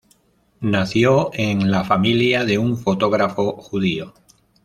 Nació en la familia de un fotógrafo judío.